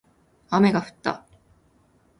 雨が降った